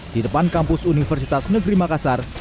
di depan kampus universitas negeri makassar